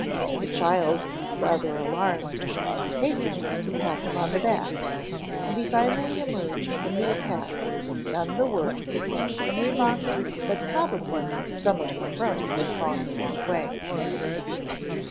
The child, rather alarmed, hastened to pat him on the back, and he finally emerged from the attack none the worse and remarked that probably some of the crumbs had gone the wrong way.